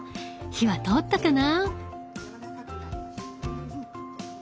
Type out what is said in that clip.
火は通ったかな？